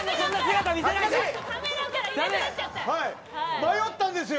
迷ったんですよ。